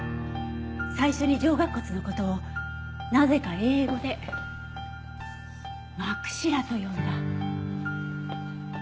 最初に上顎骨の事をなぜか英語でマクシラと呼んだ。